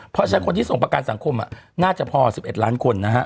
เพราะใช้คนที่ส่งประกันสังคมน่าจะพอ๑๑ล้านคนนะฮะ